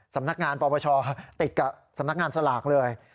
สำนักงานปปชติดกับสำนักงานสลากเลย